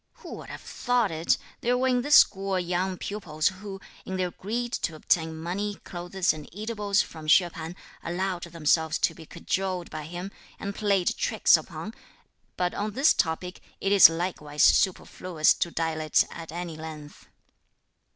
Who would have thought it, there were in this school young pupils, who, in their greed to obtain money, clothes and eatables from Hsüeh P'an, allowed themselves to be cajoled by him, and played tricks upon; but on this topic, it is likewise superfluous to dilate at any length.